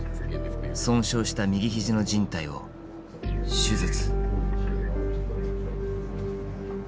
損傷した右肘のじん帯を手術。